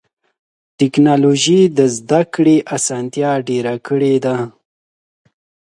ټکنالوجي د زدهکړې اسانتیا ډېره کړې ده.